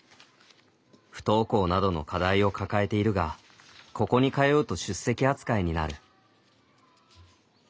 不登校などの課題を抱えているがここに通うと出席扱いになる。